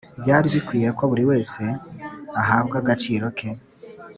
byari bikwiye ko buri wese ahabwa agaciro ke,